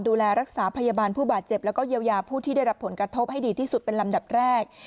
ดูแลรักษาพยาบาลผู้บาดเจ็บแล้วก็เยียวยาผู้ที่ได้รับผลกระทบให้ดีที่สุดเป็นลำดับแรก